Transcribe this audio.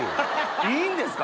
いいんですか？